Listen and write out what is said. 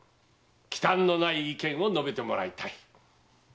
忌憚のない意見を述べてほしい。